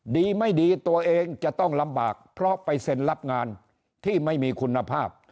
ดีไม่ดีตัวเองจะต้องลำบากเพราะไปเซ็นรับงานที่ไม่มีคุณภาพ